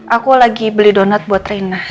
aku lagi beli donat buat rina